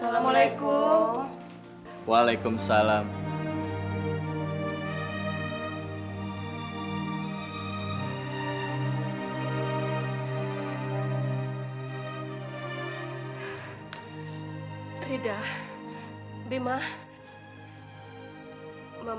bapak suka false residential brigada electrons dan berdua sampe jalan sendiri